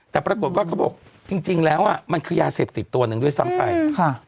แต่ปรากฏว่าเขาบอกจริงจริงแล้วอ่ะมันคือยาเสพติดตัวหนึ่งด้วยซ้ำไปค่ะ